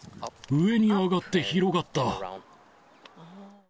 上に上がって広がった。